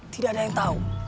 tidak ada yang tahu